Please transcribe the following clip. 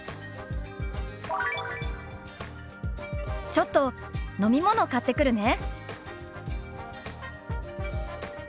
「ちょっと飲み物買ってくるね」。